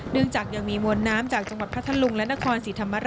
เนื่องจากยังมีมวลน้ำจากจังหวัดพระทันลุงและนครศิริฐรรมาตร